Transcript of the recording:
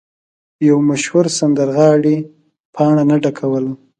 یو مشهور سندرغاړی پاڼه نه ډکوله.